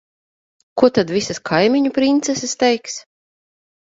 Ko tad visas kaimiņu princeses teiks?